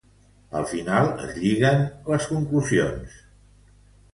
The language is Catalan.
Al final, es lligen les conclusions.